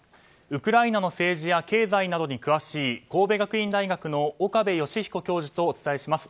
ウクライナの政治や経済などに詳しい神戸学院大学の岡部芳彦教授とお伝えします。